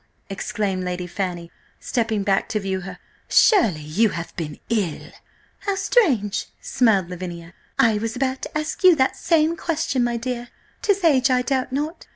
exclaimed Lady Fanny, stepping back to view her, "surely you have been ill?" "How strange!" smiled Lavinia. "I was about to ask you that same question, my dear! 'Tis age, I doubt not.